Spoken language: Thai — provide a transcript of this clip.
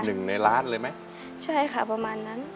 หนึ่งในล้านเลยไหมใช่ค่ะประมาณนั้น